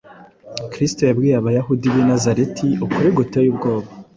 Kristo yabwiye Abayahudi b’i Nazareti ukuri guteye ubwoba